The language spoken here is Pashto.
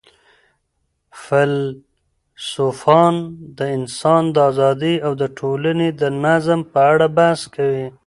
فیلسوفان د انسان د آزادۍ او د ټولني د نظم په اړه بحث کوي.